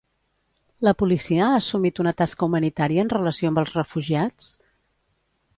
La policia ha assumit una tasca humanitària en relació amb els refugiats?